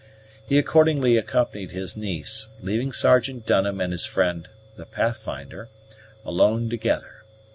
He accordingly accompanied his niece, leaving Sergeant Dunham and his friend, the Pathfinder, alone together.